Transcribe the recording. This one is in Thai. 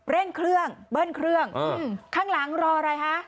เร่งเครื่องเบิ้ลเครื่องข้างหลังรออะไรฮะ